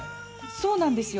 そうなんですよ。